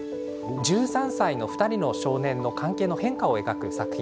１３歳の２人の少年の関係の変化を描く作品